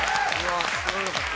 知らなかった。